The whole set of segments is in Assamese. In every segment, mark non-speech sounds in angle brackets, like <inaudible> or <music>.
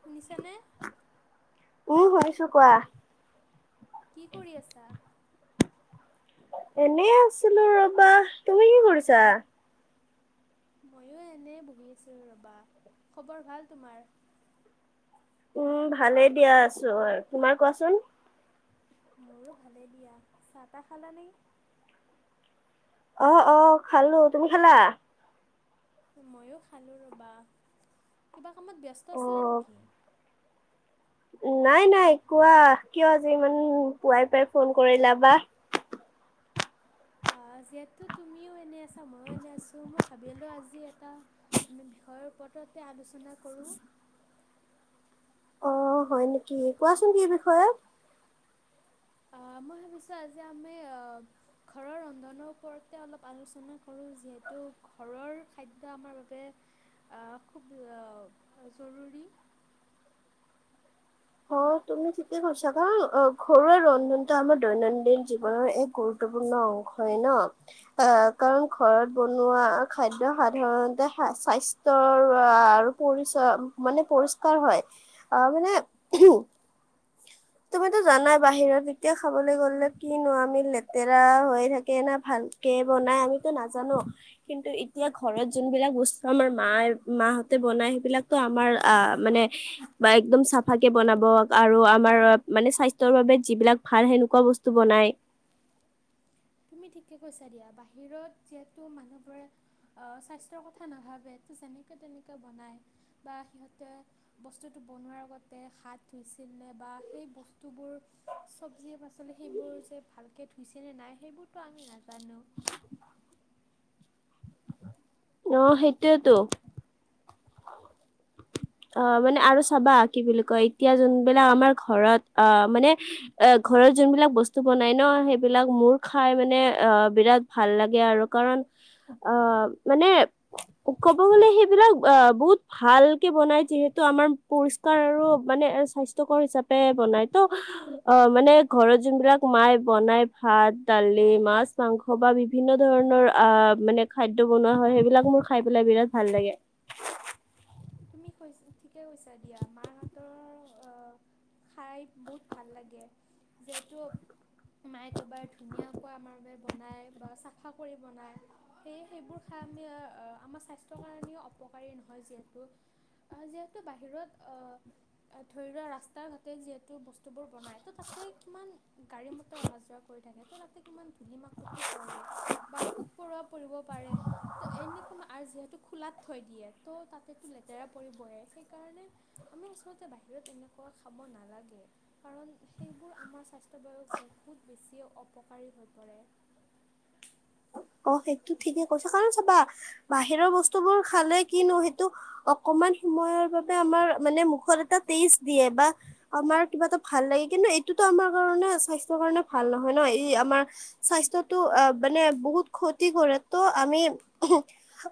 শুনি ছানে। উম শুনিছো কোৱা। কি কৰি আছা? এনেই আছিলোঁ ৰবা তুমি কি কৰিছা? ময়ো এনে বহি আছোঁ ৰবা খবৰ ভাল তোমাৰ। উম ভালেই দিয়া আছো তোমাৰ কোৱাচোন। মোৰো ভালে দিয়া চাহ তাহ খালা নে? অ অ খালো তুমি খালা। ময়ো খালোঁ ৰ'বা কিবা কামত ব্যস্ত অ আছিলে নেকি? নাই নাই কোৱা কিয় আজি ইমান পোৱাই পাই ফোন কৰিলা বা? <inaudible> আজিয়েতো তুমিও এনেই আছা ময়ো এনে আছোঁ মই ভাবিলোঁ আজি এটা আমি বিষয়ৰ ওপৰত আলোচনা কৰোঁ। <inaudible> অ', হয় নেকি কোৱাচোন কি বিষয়ত। অ', মই ভাবিছো আজি আমি অ', ঘৰৰ ৰন্ধনৰ ওপৰতে অলপ আলোচনা কৰোঁ। যিহেতু ঘৰৰ খাদ্য আমাৰ বাবে অ', খুব অ', জৰু <inaudible> অ'। তুমি ঠিকে কৈছা কাৰণ অ', ঘৰুৱা ৰন্ধনটো আমাৰ দৈনন্দিন জীৱনৰ এক গুৰুত্বপূৰ্ণ অং শই হয় ন অ', কাৰণ ঘৰত বনোৱা খাদ্য সাধাৰণতে স্বাস্ তৰৱা আৰু পৰিচ মানে পৰিষ্কাৰ হয় অহ, মানে <inaudible> তুমিতো জানাই বাহিৰত এতিয়া খাবলৈ গ'লে কিনো আমি লেতেৰা হৈ থাকে না ভাল কে বনাই আমিতো নাজানো কিন্তু এতিয়া ঘৰত যোনবিলাক বস্তু আমাৰ মাই মাহ তে বনাই সেইবিলাকটো আমাৰ অহ, মানে একদম চাফাকে বনাব আৰু আমাৰ মানে স্বাস্থ্যৰ বাবে যিবিলাক ভাল সেনেকুৱা বস্তু বনাই। তুমি ঠিকে কৈছা দিয়া, বাহিৰত যিহেতু মানুহবোৰে অ', স্বাস্থ্যৰ কথা নাভাবে। তে যেনেকে তেনেকে বনাই বা সিহঁতে বস্তুটো বনোৱাৰ আগতে হাত ধুইছি ইলে বা সেই বস্তু বোৰ চবজি পাচলি সেইবোৰ যে ভালকে ধুইছে নে নাই। সেইবোৰটো আমি নাজানো। অ', সেইটোৱেটো। অ', মানে আৰু চাবা কি বুলি কয় এতিয়া যোনবিলাক আমাৰ ঘৰত অ', মানে ঘৰত যোনবিলাক বস্তু বনায় ন' সেইবিলাক মোৰ খাই মানে অ', বিৰাট ভাল লাগে আৰু কাৰণ অ' মানে ক'ব গলে সেইবিলাক আহ বহুত ভাল বনাই যিহেতু আমাৰ পৰিষ্কাৰ আৰু মানে স্বাস্থ্যকৰ হিচাপে বনাই ত' অ' মানে ঘৰত যোনবিলাক মায়ে বনাই ভাত দালি মাছ মাংস বা বিভিন্ন ধৰণৰ আহ মানে খাদ্য বনোৱা হয় সেইবিলাক মোৰ খাই পেলাই বিৰাট ভাল লাগে। তুমি কৈছ ঠিকে কৈছা দিয়া মাৰ হাতৰ আহ খাই বহুত ভাল লাগে যিহেতু মায়ক এবাৰ ধুনীয়াকৈ আমাৰ বাবে বনাই বা চাফা কৰি বনায় সেয়ে সেইবোৰ খাই আমি আমাৰ স্বাস্থ্যৰ কাৰণেও অপকাৰী নহয় যিহেতু <inaudible> অহ, যিহেতু বাহিৰত অ', ধৰি লোৱা ৰাস্তা ঘাটে যিহেতু বস্তুবোৰ বনাই ত' তাতে কিমান গাড়ী মটৰ অহা যোৱা কৰি থাকে ত' তাতে কিমান মতি পৰে বা পোক পৰুৱা পৰিব পাৰে ত এনেক যিহেতু খোলাত থৈ দিয়ে ত' তাত টো লেতেৰা পৰিবইে সেইকাৰণে আমি আচলতে বাহিৰত এনেকুৱা খাব নালাগে। কাৰণ সেইবোৰ আমাৰ স্বাস্থ্যৰ বাবে বহুত বেছিয়ে অপকাৰী হৈ পৰে। <inaudible> অ' সেইটো ঠিকে কৈছ কাৰণ চাবা বাহিৰৰ বস্তু বোৰ খালে কিনো সেইটো অকমান সময়ৰ বাবে আমাৰ মানে মুখত এটা টেষ্ট দিয়ে বা আমাৰ কিবা এটা ভাল লাগে কিন্তু তো আমাৰ কাৰণে স্বাস্থ্যৰ কাৰণে ভাল নহয় ন ই আমাৰ স্বাস্থ্যটো অ' মানে বহুত ক্ষতি কৰে তো আমি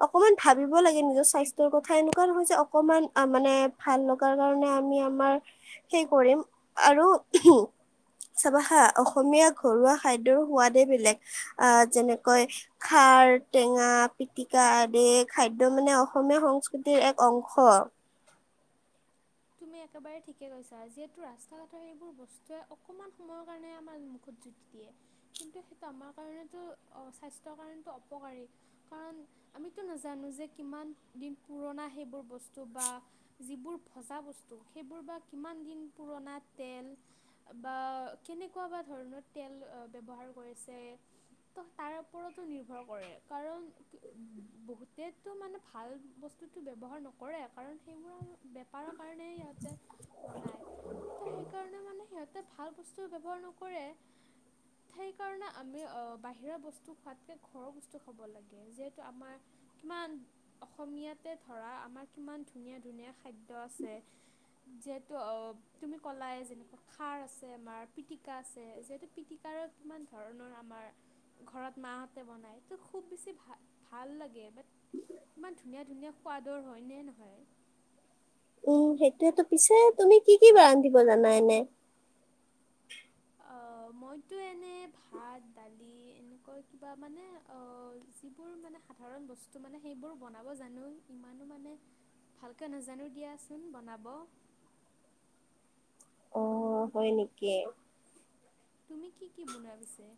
অকমান ভাবিব লাগে নিজৰ স্বাস্থ্যৰ কথা এনেকুৱা নহয় যে অকমান মানে ভাল লগাৰ কাৰণে আমি আমাৰ সে কৰিম আৰু চাবা হা অসমীয়া ঘৰুৱা খাদ্যৰ সোৱাদে বেলেগ আহ যেনে কয় খাৰ, টেঙা, পিটিকা আদি খাদ্য মানে অসমীয়া সংস্কৃতিৰ এক অংশ তুমি একেবাৰে ঠিকে কৈছা যিহেতু ৰাস্তা ঘাটৰ সেইবোৰ বস্তুৱে অকমান সময়ৰ কাৰণে আমাৰ মুখত দিয়ে কিন্তু সেইটো আমাৰ কাৰণটো অ' স্বাস্থ্যৰ কাৰণটো অপকাৰী কাৰণ আমিতো নাজানো যে কিমান দিন পুৰণা সেইবোৰ বস্তু বা যিবোৰ ভজা বস্তু সেইবোৰ বা কিমান দিন পুৰণা তেল বা কেনেকুৱা বা ধৰণৰ তেল ব্যৱহাৰ কৰিছে ত' তাৰ ওৰতো নিৰ্ভৰ কৰে কাৰণ বহুতেটো মানে ভাল বস্তু ব্যৱহাৰ নকৰে কাৰণ সেইবোৰ <inaudible> নাই ত' সেইকাৰণে মানে সিহঁতে ভাল বস্তু ব্যৱহাৰ নকৰে। সেই কাৰণে আমি বাহিৰাৰ বস্তু খোৱাতকে ঘৰৰ বস্তু খাব লাগে যিহেতু আমাৰ কিমান অসমীয়াতে ধৰা আমাৰ কিমান ধুনীয়া ধুনীয়া খাদ্য আছে যিহেতু অ' তুমি ক'লাই যেনেকুৱা খাৰ আছে আমাৰ পিটিকা আছে যিহেতু পিটিকা আৰু কিমান ধৰণৰ আমাৰ ঘৰত মাহঁতে বনাই ত খুব বেছি ভ ভাল লাগে বাট ইমান ধুনীয়া ধুনীয়া সোৱাদৰ হয় নে নহয় উম সেইটোয়েতো পিছে তুমি কি কি বা ৰান্ধিব জানা এনে । <unintelligible> মইতো এনে ভাত দালি এনেকুৱা কিবা মানে যিবোৰ মানে সাধাৰণ ব মে স ব জ মান ভালকে নাজানো দিয়াচোন বনাব । <unintelligible> আহ হয় নেকি তুমি কি কি বনোৱা পিছে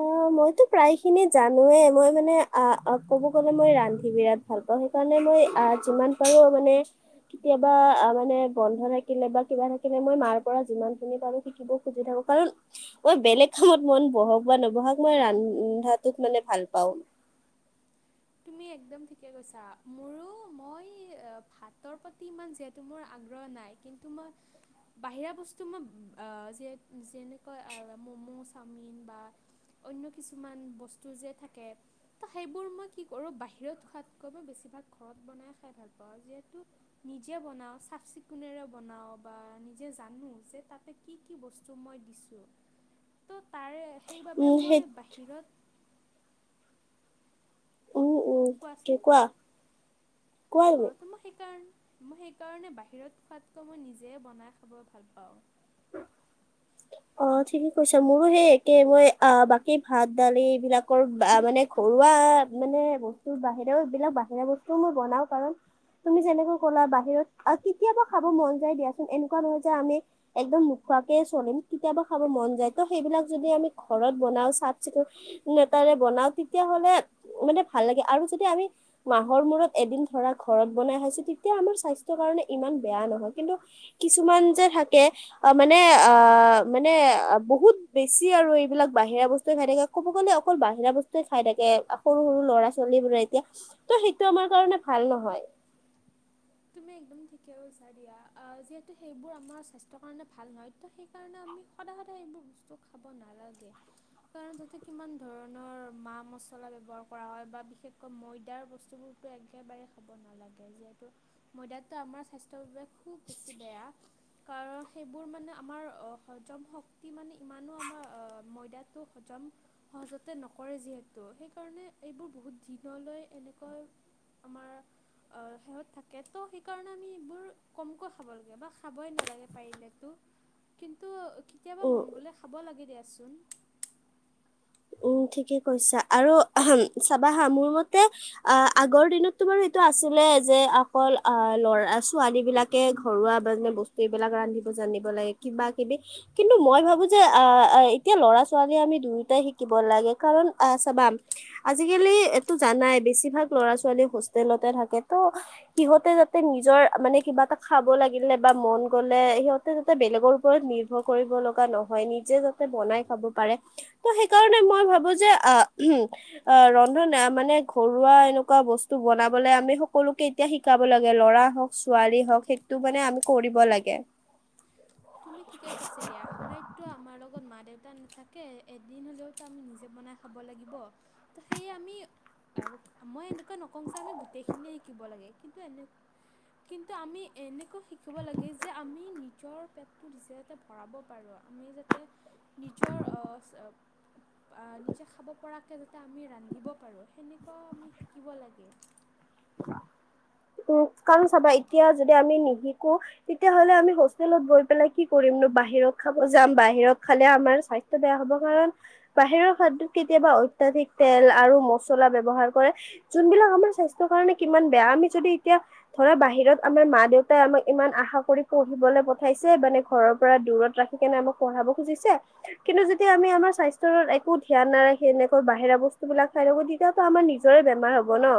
অ মইতো প্ৰায়খিনি জানোৱে মই মানে ক'ব গ'লে মই ৰান্ধি বিৰাট ভাল পাওঁ সেইকাৰণে মই আহ যিমান পাৰো মানে কেতিয়াবা মানে বন্ধ থাকিলে বা কিবা থাকিলে মই মাৰ পৰা যিমান খিনি পাৰো শিকিব সুজি থা কাৰণ মই বেলেগ কামত মন বহক বা নবহাক মই ৰন্ধাটোত মানে ভাল পাওঁ। তুমি একদম ঠিকে কৈছা মোৰো মই ভাতৰ প্ৰতি ইমান যিহেতু মোৰ আগ্ৰহ নাই। কিন্তু মই বাহিৰা বস্তু মই যেনেকৈ ম'ম' চাওমিন বা অ্ন্য কিছুমান বস্তু যে থাকে ত সেইবোৰ মই কি কৰোঁ বাহিৰত খোৱাতকৈ মই বেছিভাগ ঘৰত বনাই খাই ভাল পাওঁ, যিহেতো নিজে বনাঁও চা চাফ চিকুণেৰে বনাওঁ বা নিজে জানো যে তাতে কি কি বস্তু মই দিছোঁ তো তাৰে । <unintelligible> সেইবাবে মই বাহিৰত উম, উম, কি কোৱাচোন কোৱা, কোৱা অ তুমি। তোমাৰ সেইকাৰণে মই সেইকাৰণে বাহিৰত খোৱাতকৈ মই নিজে বনাই খাব ভাল পাওঁ অ ঠিকে কৈছা মোৰো সেই একে মই অ বাকী ভাত দালি এই বিলাকৰ মানে ঘ ঘৰুোৱা মানে বস্তু বাহিৰা বিলাক বাহিৰা বস্তুও মই বনাওঁ কাৰণ তুমি যেনেকৈ কলা বাহিৰত আৰু কেতিয়াবা খাব মন যায় দিয়াচোন, এনেকুৱা নহয় যে আমি একদম <unintelligible> কেতিয়াবা খাব মন, যায় ত' সেইবিলাক যদি আমি ঘৰত বনাওঁ, চাফ চিকুণ নেতাৰে বনাওঁ তেতিয়া লে মানে ভাল লাগে, আৰু যদি আমি মাহৰ মূৰত এদিন ধৰা ঘৰত বনাই খাইছো, তেতিয়া আমাৰ স্বাস্থ্যৰ কাৰণে ইমান বেয়া নহয়, কিন্তু কিছুমান যে থাকে মানে আহ মানে আহ, বহুত বেছি আৰু এইবিলাক বাহিৰা বস্তুয়ে খাই থাকে ক'ব গ'লে অকল বাহিৰা বস্তুয়ে খাই থাকে। সৰু সৰু ল'ৰা ছোৱালী বোৰে এতিয়া ত সেইটো আমাৰ কাৰণে ভাল নহয়। <inaudible> িয়া যিহেতু সেইবোৰ আমাৰ স্বাস্থ্ৰ কাৰণে ভাল নহয় ত', সেইকাৰণে আমি সদায়, সদায় সেইবোৰ বস্তু খাব নালাগে, কাৰণ তাতে কিমান ধৰণৰ মা মছলা ব্য্ৱহাৰ কৰা হয়। বা বিশেষকৈ ময়দাৰ বস্তুবোৰতো একেবাৰে খাব নালাগে, যিহেতু ময়দাতটো আমাৰ স্বাস্থ্্যৰ বাবে খুব বেছি বেয়া, কাৰণ সেইবোৰ মানে আমাৰ হজম শক্তি মানে ইমানো আমাৰ ময়দাটো হজম, সহজতে নকৰে যিহেতু সেইকাৰণে এইবোৰ বহুত দিনলৈ এনেকৈ, আমাৰ, শেহত থাক তাকে তো সেইকাৰণে আমি এইবোৰ কমকৈ খাব লাগে, বা খাবই নালাগে পাৰিলেতো। কিন্তু কেতিয়াবা উম মন গ'লে খাব লাগে দিয়াচোন। অ'। ঠিকে কৈছা, আৰু হ চাবা হা মোৰ মতে আহ, আগৰ দিনততো বাৰু এইটো আছিলে যে অকল আহ, ল'ৰা ছোৱালী বিলাকে ঘৰুৱা বাে বস্তু এইবিলাক ৰান্ধিব জানিব লাগে কিবা কিবি, কিন্তু মই ভাবো যে আহ, এতিয়া লৰা ছোৱালীয়ে আমি দুয়োটাই শিক শিকিব লাগে কাৰণ আহ চাবা, আজিকালি এইটো জানাই বেছিভাগ ল'ৰা ছোৱালী হোষ্টেলত থাকে ত, সিহঁতে যাতে নিজৰ মানে কিবা এটা খাব লাগিলে বা মন গ'লে সিহ াতে বেলেগৰ ওপৰত নিৰ্ভৰ কৰিব লগা নহয়, নিজে যাতে বনাই খাব পাৰে ত সেইটো সেইকাৰণে মই ভাবো যে আহ, ৰন্ধন মানে ঘৰুৱা এনেকুৱা বস্তু বনাব আমি সকলোকে এতিয়া শিকাব লাগে, লৰা হওঁক ছোৱালী হওঁক, সেইটো মানে আমি কৰিব লাগে। তুমি ঠিকে কৈছা দিয়া, সদায়তো আমাৰ লগত মা দেউতা টা নাথাকে এদিন হলেওঁতো আমি নিজে বনাই খাব লাগিব, ত সেয়ে আমি অ' মই এনেকুৱা নকওঁ যে আমি গোটেই খিনিয়ে শিকিব লাগে কিন্তু এনে, কিন্তু আমি এনেকৈ শিকিব লাগে যে আমি নিজৰ প নিজে জাতে ভৰাব পাৰো, আমি যাতে নিজৰ আহ, আহ যে খাব পৰাকৈ যাতে আমি ৰান্ধিব পাৰোঁ, সেনেকুৱাও আমি শিকিব লাগে। <inaudible> উম কাৰণ চাবা এতিয়া যদি আমি নিশিকো, তেতিয়াহ'লে আমি হোষ্টেলত গৈ পেলাই কি কৰিম। বাহিৰত খাব যাম, বাহিৰত খালে আমাৰ স্বাস্থ্য বেয়া হ'ব কাৰণ, বাহিৰৰ খাদ্য কেতিয়াবা অত্যাধিক তেল আৰু মছলা ব্য্ৱহাৰ কৰে, যোনবিলাক আমাৰ স্বাস্থ্যৰ কাৰণে, কিমান বেয়া আমি যদি এতিয়া ধৰা বাহিৰত আমাৰ মা দেউতাই আমাক ইমান আশা কৰি পঢ়িবলৈ পঠাইছে, মানে ঘৰৰ দূৰত ৰাখি কেনে আমাক পঢ়াব খুজিছে কিন্তু যেতিয়া আমি আমাৰ স্বাস্থ্য একো ধ্যান নাৰাখে তেনেকৈ বাহিৰা বস্তু বিলাক খাই থাকো, তেতিয়াতো আমাৰ নিজৰে বেমাৰ হ'ব ন।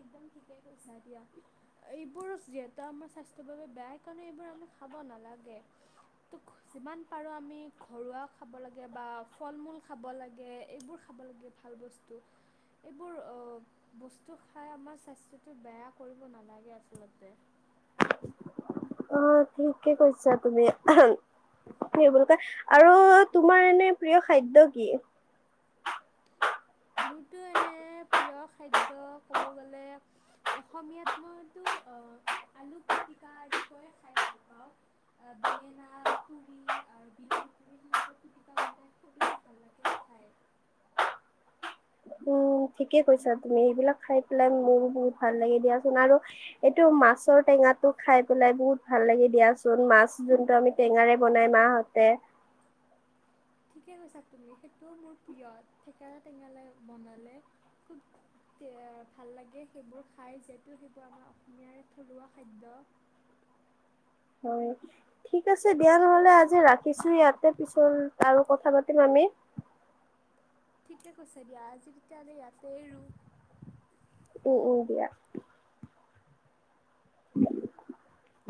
<inaudible> <unintelligible> এইবোৰো যিহেতু আমাৰ স্বাস্থ্যৰ বাবে বেয়া কাৰণে এইবোৰ আমি খাব নালাগে। ত যিমান পাৰো আমি ঘৰুৱা খাব লাগে বা ফল মূল খাব লাগে, এইবোৰ খাব ভাল বস্তু এইবোৰ ব টো খাই আমাৰ স্বাস্থ্যটো বেয়া কৰিব নালাগে, আচলতে। অ' ঠিকে কৈছা তুমি। <unintelligible> আৰু তোমাৰ এনে প্ৰিয় খাদ্য কি? মোৰতো এনে প্ৰিয় খাদ্য ক'ব গ'লে, অসমীয়াত মইতো অ', আলু পিটিকা এনেকুৱাই খাই ভাল পাওঁ। বেঙেনা পুৰি আৰু বিলাহী পুৰি সেনেকৈ পিটিকা বনাই খুব বেছি ভাল লাগে। খায় <inaudible> উম ঠিকে কৈছা তুমি। সেইবিলাক খাই পেলাই মোৰ বহুত ভাল লাগে দিয়াচোন আৰু এইটো মাছৰ টেঙাটো খাই পেলাই বহুত ভাল লাগে দিয়াচোন মাছ যোনটো আমি টেঙ বনাই মাহতে <inaudible> ঠিকে কৈছা তুমি সেইটোও মোৰ প্ৰিয় থঠেকেলা টেঙেলাই বনালে খুব ভাল লাগে সেইবোৰ খাই যিহেতু সেইবোৰ আমাৰ অসমীয়াৰে থলুৱা খাদ্য। <inaudible> হয় ঠিক আছে দিয়া নহলে, আজি ৰাখিছো ইয়াতে পিছত আৰু কথা পাতিম আমি। <inaudible> ঠিকে কৈছা দিয়া আজি তেতিয়াহলে ইয়াতে ৰু উম, উম, দিয়া। <unintelligible>